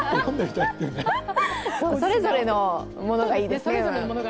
それぞれのものがいいですね。